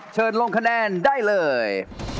เชิญลงคะแนนได้เลย